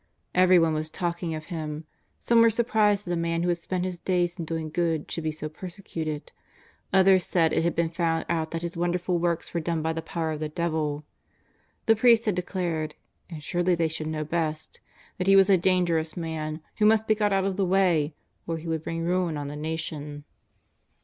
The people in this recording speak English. Everyone was talking of Him. Some were surprised that a man who had spent his days in doing good should be so persecuted. Others said it had been found out that his wonderful works were done by the powder of the devil. The priests had declared — and surely they should know best — that he was a dangerous man, who must be got out of the way, or he would bring ruin on the nation.